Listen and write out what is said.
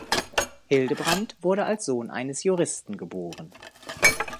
Hildebrand wurde als Sohn eines Juristen geboren.